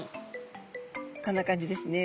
こんな感じですね